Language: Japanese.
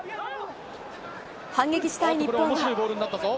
反撃したい日本は。